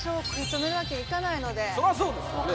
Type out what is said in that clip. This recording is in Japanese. そらそうですよね